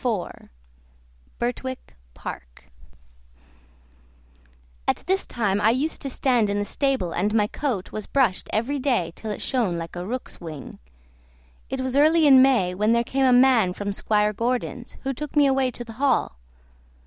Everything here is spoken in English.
04 Birtwick Park At this time I used to stand in the stable and my coat was brushed every day till it shone like a rook's wing. It was early in May, when there came a man from Squire Gordon's, who took me away to the hall.